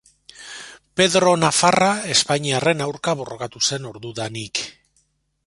Pedro Nafarra espainiarren aurka borrokatu zen ordudanik.